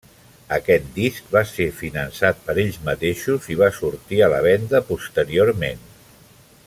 Aquest disc va ser finançat per ells mateixos i va sortir a la venda posteriorment.